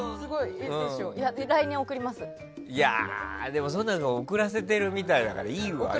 でもそんなの送らせてるみたいだから、いいわ。